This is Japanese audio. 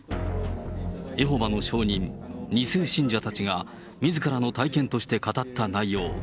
エホバの証人２世信者たちがみずからの体験として語った内容。